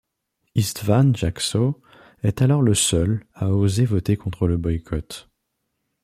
István Jacsó est alors le seul à oser voter contre le boycott.